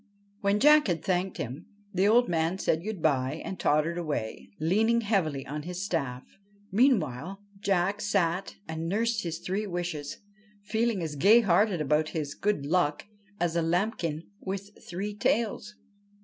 When Jack had thanked him, the old man said good bye and tottered away, leaning heavily on his staff. Meanwhile Jack sat and nursed his three wishes, feeling as gay hearted about his good luck as a lambkin with three tails.